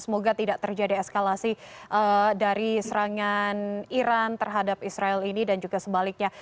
semoga tidak terjadi eskalasi dari serangan iran terhadap israel ini dan juga sebaliknya